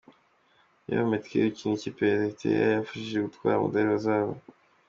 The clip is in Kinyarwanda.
Eyob Metkel ukinira ikipe ya Erythrea yabafashije gutwara umudali wa Zahabu.